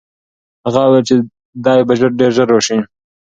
هغه وویل چې دی به ډېر ژر راسي.